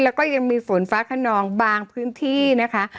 แล้วก็ยังมีฝนฟ้าขนองบางพื้นที่นะคะ